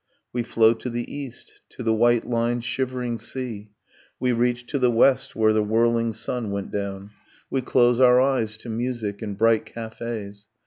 We flow to the east, to the white lined shivering sea; We reach to the west, where the whirling sun went down; We close our eyes to music in bright cafees.